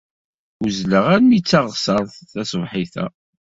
Uzzleɣ armi d taɣsert taṣebḥit-a.